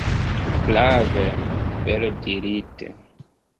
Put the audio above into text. Prave, bele dirite!